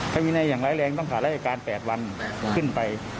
ถ้าวินัยอย่างร้ายแรงต้องผ่านรายการ๘วันขึ้นไป